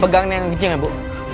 pegang nih ngejeng ya bu